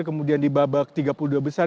kemudian di babak tiga puluh dua besar